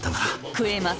食えます！